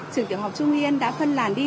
trường tiểu học trung yên đã phân làn đi